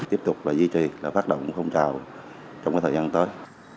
tiếp tục là duy trì là phát động công trào trong thời gian tới